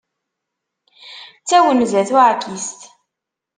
D tawenza tuɛkist.